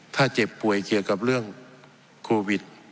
ถ้าเจ็บป่วยเกี่ยวกับเรื่องโควิด